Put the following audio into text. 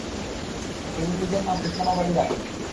তিনি নিজের নাম ইসলামাবাদী রাখেন।